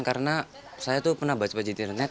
karena saya tuh pernah baca baca di internet